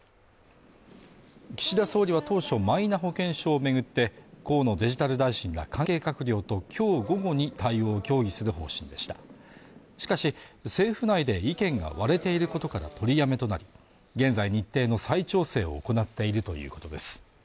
岸田総理は当初マイナ保険証を巡って河野デジタル大臣ら関係閣僚ときょう午後に対応を協議する方針でしたしかし政府内で意見が割れていることから取りやめとなり現在日程の再調整を行っているということです